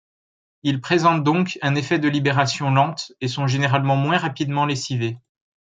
Ils présentent donc un effet de libération lente et sont généralement moins rapidement lessivés.